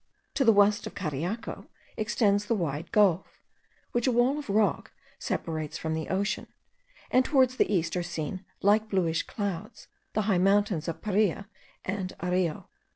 To the west of Cariaco extends the wide gulf; which a wall of rock separates from the ocean: and towards the east are seen, like bluish clouds, the high mountains of Paria and Areo.